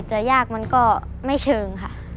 จะยากมันก็ไม่เชิงค่ะ